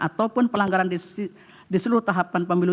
ataupun pelanggaran di seluruh tahapan pemilu